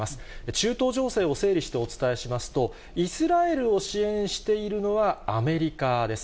中東情勢を整理してお伝えしますと、イスラエルを支援しているのはアメリカです。